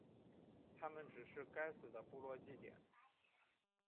它们只是该死的部落祭典。